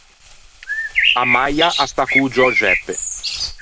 A Maia a stà co-o Giöxeppe.